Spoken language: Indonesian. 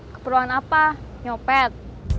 keperluan apa nyopet